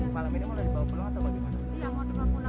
malam ini mulai dibawa pulang atau bagaimana